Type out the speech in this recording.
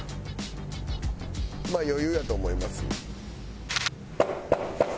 今余裕やと思います。